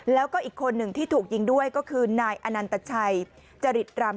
แล้วก็อีกคนหนึ่งที่ถูกยิงด้วยก็คือนายอนันตชัยจริตรำ